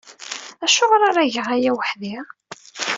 Acuɣer ara geɣ aya weḥd-i?